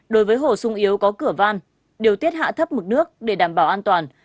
đối với hồ sung yếu có cửa van điều tiết hạ thấp mực nước để đảm bảo an toàn